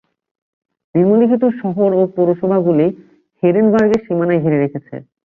নিম্নলিখিত শহর ও পৌরসভাগুলি হেরেনবার্গের সীমানা ঘিরে রেখেছে।